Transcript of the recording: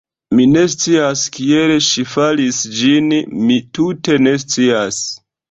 Mi ne scias kiel ŝi faris ĝin, mi tute ne scias!".